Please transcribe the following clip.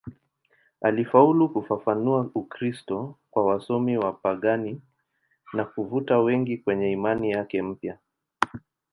Alifaulu kufafanua Ukristo kwa wasomi wapagani na kuvuta wengi kwenye imani yake mpya.